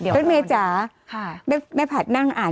รถเมย์จ๋าแม่ผัดนั่งอ่าน